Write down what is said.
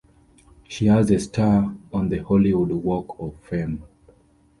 She has a star on the Hollywood Walk of Fame.